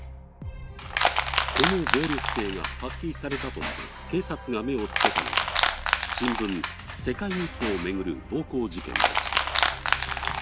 この暴力性が発揮されたとして警察が目をつけたのが新聞「世界日報」を巡る暴行事件でした。